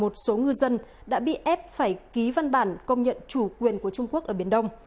một số ngư dân đã bị ép phải ký văn bản công nhận chủ quyền của trung quốc ở biển đông